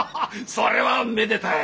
それはめでたい！